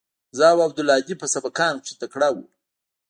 زه او عبدالهادي په سبقانو کښې تکړه وو.